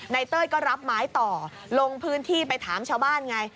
เต้ยก็รับไม้ต่อลงพื้นที่ไปถามชาวบ้านไง